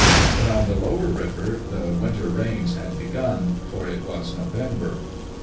But on the lower river the winter rains had begun, for it was November.